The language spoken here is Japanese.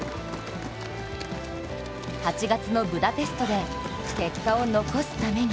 ８月のブダペストで結果を残すために。